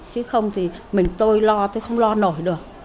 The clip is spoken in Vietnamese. chứ không thì mình tôi lo tôi không lo nổi được